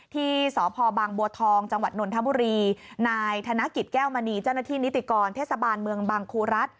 ที่สพบางบัวทองจังหวัดนนทบุรีนายธนกิจแก้วมณีเจ้าหน้าที่นิติกรเทศบาลเมืองบางครูรัฐ